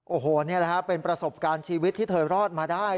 โอ้โหนี่แหละฮะเป็นประสบการณ์ชีวิตที่เธอรอดมาได้